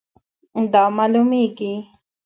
دا معلومیږي